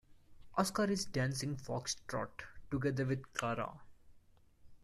Oscar is dancing foxtrot together with Clara.